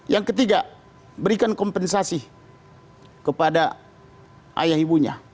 yang ketiga berikan kompensasi kepada ayah ibunya